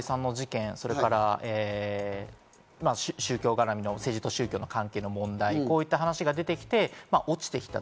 去年の夏から安倍さんの事件、それから宗教がらみの、政治と宗教の関係の問題という話が出てきて落ちてきた。